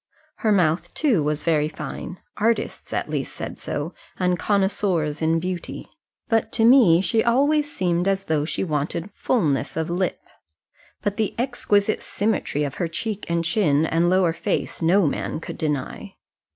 Her mouth, too, was very fine artists, at least, said so, and connoisseurs in beauty; but to me she always seemed as though she wanted fulness of lip. But the exquisite symmetry of her cheek and chin and lower face no man could deny.